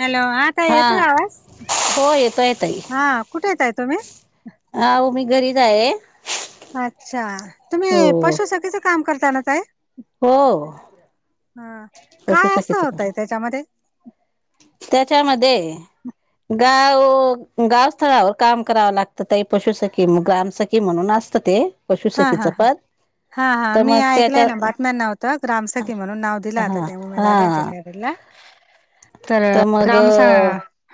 Hello हा ताई, येतोय आवाज? हो, येतोय ताई. हा, कुठंय ताई तुम्ही? हा, हो मी घरीच हाये. अच्छा, तुम्ही पशुसखीचं काम करता ना ताई? हो हं, काय पशुसखीच असतं ओ काम ताई त्याच्यामध्ये? त्याच्यामध्ये गाव, गावस्थळावर काम करावं लागतं ताई, पशुसखी... ग्रामसखी -खी म्हणून असतं ते, हा हा पशुसखीचं हा पद हा हा, तर मी मग ऐकलंय त्याच्या ना बातम्यांना व्हतं, ग्रामसखी म्हणून नाव दिलं आता हा त्या हा [unintelligible] तर ग्रामसा,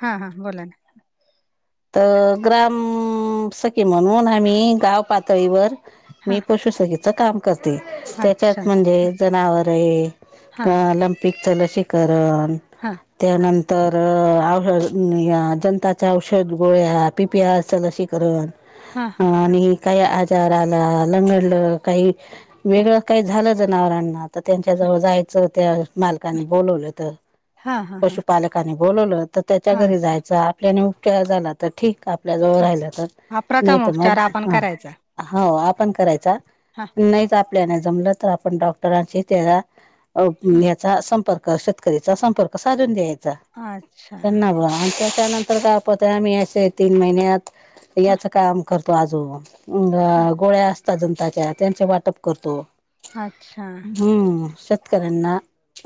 हा हा बोला ना. तर ग्रामसखी म्हणून, आम्ही गाव पातळीवर हा मी पशुसखीचं काम करते, अच्छा त्याच्यात म्हणजे जनावर ए हा काल अन पिकचं लशीकरण हा त्यानंतर, आघर नई, जंताचं औष शेत गोळ्या, पी पी आरचं लशीकरण, हा हा आणि काही आजार आला, लंगडलं, काही वेगळं काही झालं जनावरांना तर त्यांच्याजवळ जायचं, त्या मालकांनी बोलवलं तर हा हा हा पशुपालकानी बोलवलं तर त्याच्या हा घरी अच्छा जायचं, आपल्याने उपचार झाला तर ठीक आपल्या जवळ अच्छा. राहिला तर, हा नाई प्रथम तर मग, उपचार आपण हा, करायचा हो आपण करायचा हा नईच आपल्याने जमलं तर, आपण डॉक्टरांशी त्याचा अं याचा संपर्क शेतकरीचा संपर्क साधून द्यायचा, हा अच्छा त्यांना मग, अन त्याच्यानंतर [unintelligible] पत्र आम्ही अशे तीन महिन्यात, हा याचं काम करतो आजूक अं गोळ्या अस असता जंताच्या त्यांच वाटप करतो, अच्छा हा हम्म, श शेतकऱ्यांना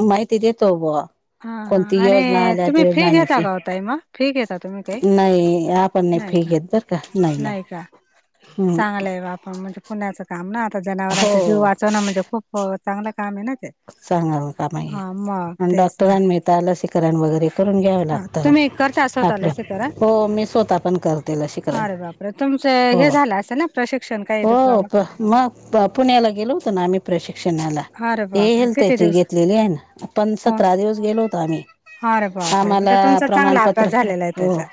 माहिती देतो ब्वा! हा हा आणि तुम्ही फी घेता का ओ ताई मग? फी घेता तुम्ही काही, नाही आपण नाही नाई, फी घेत बर का नाही नाही. नाई का? हम्म चांगलं ए [unintelligible] म्हणजे. पुण्याचं काम ना आता जनावरांच जीव हो वाचवण म्हणजे खूप चांगलं काम आहे ना ते सांगा का हा मग मा तेच ना डॉक्टरां मिळता लसीकरण वगैरे करून घ्यावं हा लागतं तुम्ही करता स्वतः आपल्या लसीकरण हो मी स्वतः पण करतील लशी करन अरे बापरे तुमचं हो हे झालं असेल ना प्रशिक्षण काही डिप्लोमा मग पुण्याला होत ना आम्ही प्रशिक्षणाला अरे हे बापरे हेल्थ किती त्याची दिवस घेतलेली आहे आपण हो सतरा दिवस गेलो होतो आम्ही अरे बापरे आमा ना म्हणजे तुमचा चांगला प्रमाणपत्र अभ्यास झालेला आहे हो त्याचा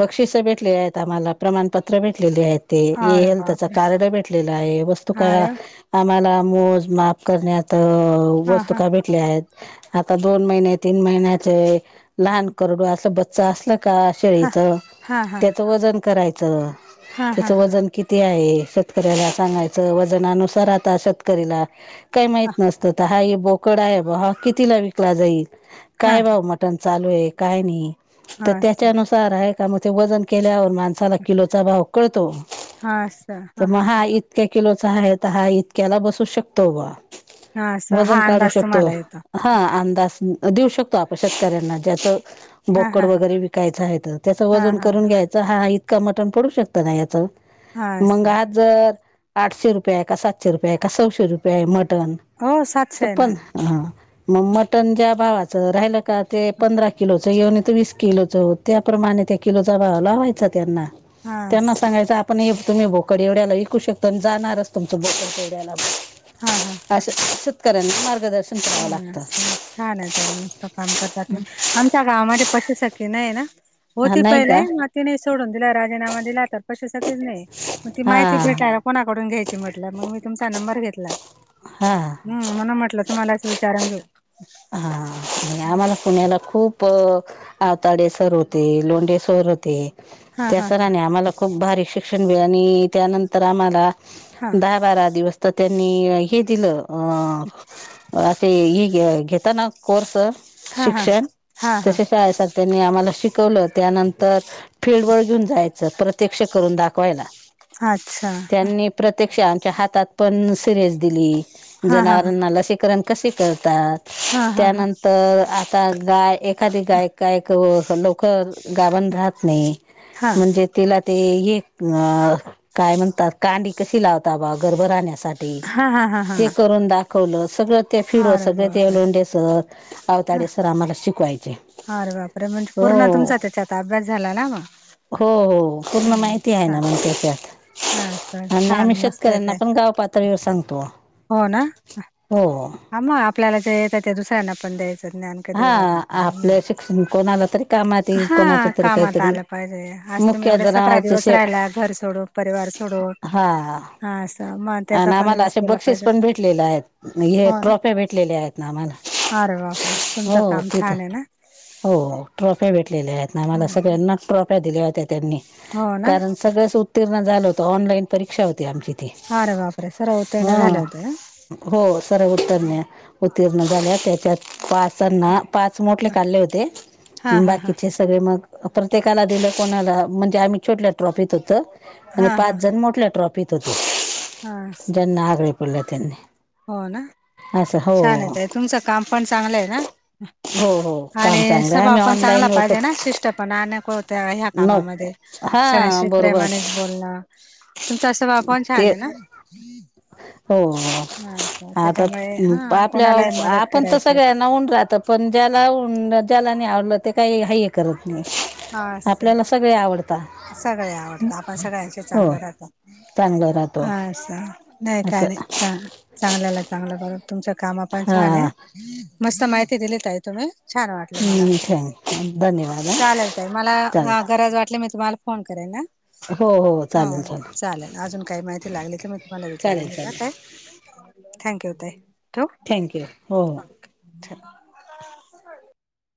बक्षिस आहेत आम्हाला प्रमाणपत्र भेटलेलीत ते अरे हेल्थच बापरे कार्ड भेटलेला आहे वस्तू का अरे आम्हाला मोज माफ करण्यात ता हा वस्तू हा का भेटल्या आहेत आता दोन महिने तीन महिन्याचे लहान करडू असल बच्चा असल का हा हा शेळीच हा हा त्याचं वजन करायचं हा हा त्याचं हा वजन कित ते आहे शेतकऱ्याला सांगायचं वजनानुसार आता शेतकरीला काय नसत तर हा हे बोकड आहे बा हा कितीला विकला जाईल हा काय भाऊ मट टन चालू आहे काय नाही हा हा त्याच्यानु चारा आहे का म ते वजन केल्यावर माणसाला किलोचा भाव कळतो तर मग हा इ इतक्या किलोचा आहे तर हा इतक्याला बसू शकतो बा हा असं हा वजन काढू अंदाज शकतो तुम्हाला येतो हा अंदाज देऊ शकतो आपण शेतकऱ्यांना ज्याच हा बोकड हा वगैरे विकायचं आहे तर त्याचं हा वजन हा करून घ्यायचं हाा इतका मटण पडू शकतो ना याचं हा मंग असं हा जर आठशे रुपये का सातशे रुपये का सशे रुपये मटन हो सातशे आहे ना हां मग मटन ज्या भावाचं राहिलं का ते पंधरा किलोचं येऊन तर वीस किलोचं होऊ त्याप्रमाणे त्या किलोचा भाव लावायचा त्यांना हा त्यांना असं सांगायचं आपण हे तुम्ही भोकड एवढ्याला विकू शकता आणि जाणारच तुमचं भोकड तेवड्याला हा, हा अ शेतकऱ्यांना मार्गदर्शन करावं हा लागतं असं छान येत आहे मस्त काम करतात मी आमच्या गावामध्ये पशुसी नाही ना हा होते नाही का पहिलेय ति नाही सोडून दिला राजीनामा दिला तर कशसाठीच नाही मग ती हा माहिती भेटा कोणाकडून घ्यायची म्हटलं मग मी तुमचा नंबर घेतला हा हम् म्हणून म्हटलं तुम्हालाच विचार घेवू हां आणि आम्हाला पुण्याला खूप आवताडे सर होते, लोंढे सर होते हा त्या हा हा सरांनी आम्हाला खूप भारी शिक्षण बी आणि त्यानंतर आम्हाला हा दहा बारा दिवस तर त्यांनी हे दिलं ह असे ह ग घेतना कोर्स हा शिक्षण हा हा तसे शाळे सारख त्यांनी आम्हाला शिकवलं त्यानंतर फिल्डवर घेऊन जायचं प्रत्यक्ष करून दाखवायला अच्छा प्रत्यक्षच्या हातात पण सिरीज दिली हा हा हा जनावरांना लसीकरण कसे करतात हा हा हा त्यानंतर आता गाय एखादी गाय यक लवकर गाभन राहत नाही, हा म्हणजे तिला ते हे, अ काय म्हणतात कांडी कशी लावता बा गर्भ राहण्यासा हा हा हा ठी हा करून दाखवलं, सगळ ते फिड वर अरे सगळ [unintelligible] बापरे लोंडेसर, अवताडेसर आम्हाला शिकवायचे. अरे बापरे! म्हणजे पूर्ण हो. तुमचा त्याच्यात अभ्यास झाला ना म. हो हो पूर्ण माहिती आहे ना मला त्याच्यात. हा आणि छान आम्ही मस्त येत शेतकऱ्यांना आहे पण गाव पात ळीवर सांगतो. हो ना? हो हो. ह मग, आपल्याला जे येतं ते दुसऱ्यांना पण द्यायचं ज्ञान. हा कधीही वाटलं तर तुम्ही या. आपल्या शिक्षण कोणाला तरी कामात येईल हा कोणाच तरी कामात काहीतरी आलं, [unintelligible] आज तुम्ही मुख्य एवढे सतरा जनावरांची दिवस शे राहिलात. घर सोडून, परिवार सोडून. हा हा अस, मग त्याचा पण युज केला पाहिजे. म हे हो ना ट्रोफ्या भेटलेल्या आहे. अरे बापरे! तुमचं काम तिथं छान आहे ना? हो हो ट्रॉफ्या भेटलेल्या आहेत. आम्हाला सगळ्यांनाच ट्रॉफ्या दिल्या होत्या त्यांनी. हो ना कारण सगळेच उत्तीर्ण झालो होतो. ऑनलाईन परीक्षा होती आमची. ती अरे बापरे! सर्वच ह उत्तीर्ण झाले होते आ? हो सर्व उत्तर्ण उत्तीर्ण झाले होते. त्यात पाचांना, पाच मोठ काढले होते. हा हा हा बाकीचे सगळे मग, प्रत्येका दिल कोणाला म्हणजे आम्ही छोटल्या ट्रॉफीत होत. हा आणि हा पाच हा जण मोठल्या ट्रॉफीत होते. हा असं ज्यांना आगळे [unintelligible] त्यांनी. हो ना? असं हो छान येतय. तुमचं काम पण चांगलं आहे ना. हो हो काम आणि चांगलं आहे स्वभाव आम्ही पण चांगला ऑनलाईन पाहिजे ना? विकत शिष्टपणा नको त ह्या नव कामामध्ये. सणाशी हां बरोबर प्रेमानेच बोलणं तुमचा स्वभाव पण ते छान आहे ना? हो हा असं आत उ त्याच्यामुळे हा आपल्य कोणालाही मदत आपण तर करायची सगळ्यांना हून राहत. पण ज्याला ऊन त्याला नाही आवडलं, ते काही हाये करत नाही. हा असं आपल्याला सगळे आवड सगळे आवडता, आपण सगळ्यांशी हो चांगलं राहतो, चांगलं राहतो असं. नाही काय असं नाही, चांग चांगलं लागतं आम्हाला बघून. तुमच कामं पण छान हा आहेत! मस्त माहिती दिली ताई तुम्ही. छान वाट टलं मला. थँक धन्यवाद हा चालेल ताई, मला अ चालेल गरज वाटलं मी तुम्हाला फोन करेन हा. हो हो हाव, चालेल चालेल अजून काही माहिती लागली की मी तुम्हाला चालेल विचारून चालेल [unintelligible] थँक्यू ताई. ठेवू. थँक्यू हो हो! [inaudible]